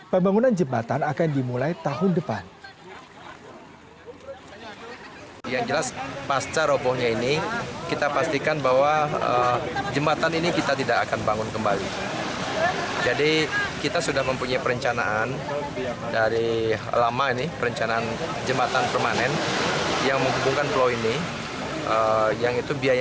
pembangunan jembatan akan dimulai tahun depan